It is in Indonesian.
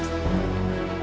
mas aku tak tahu